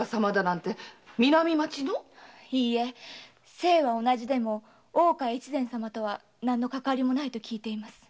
姓は同じでも大岡越前様とは何のかかわりもないと聞いています。